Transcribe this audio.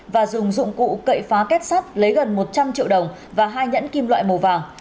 và dùng dụng cụ cậy phá kết sắt lấy gần một trăm linh triệu đồng và hai nhẫn kim loại màu vàng